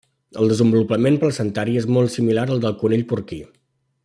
El desenvolupament placentari és molt similar al del conill porquí.